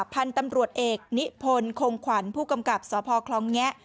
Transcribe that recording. พันธุ์ตำรวจเอกนิพนธ์คงขวัญผู้กำกับสพคลองแงะ